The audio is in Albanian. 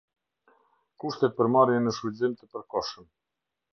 Kushtet për marrjen në shfrytëzim të përkohshëm.